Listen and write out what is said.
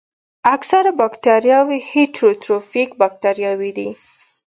اکثره باکتریاوې هیټروټروفیک باکتریاوې دي.